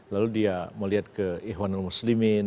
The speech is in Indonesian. lalu dia melihat ke ikhwanul muslimin